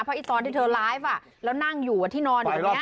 เพราะตอนที่เธอไลฟ์แล้วนั่งอยู่ที่นอนอยู่ตรงนี้